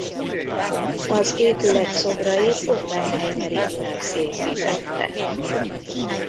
Az épület szobrait Oppenheimer Ignác készítette.